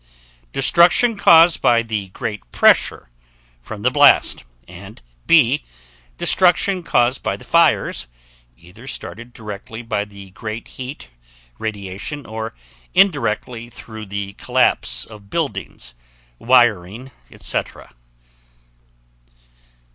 Destruction caused by the great pressure from the blast; and B. Destruction caused by the fires, either started directly by the great heat radiation, or indirectly through the collapse of buildings, wiring, etc. 4.